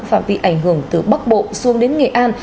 phạm bị ảnh hưởng từ bắc bộ xuống đến nghệ an